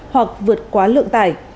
hoặc vượt quá lượng tải